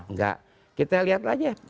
nggak kita lihat aja